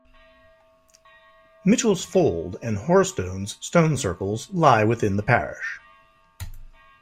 Mitchell's Fold and Hoarstones stone circles lie within the parish.